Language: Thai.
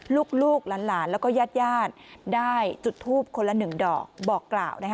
ลูกหลานแล้วก็ญาติได้จุดทูปคนละ๑ดอก